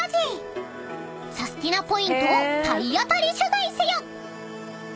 ［サスティなポイントを体当たり取材せよ！］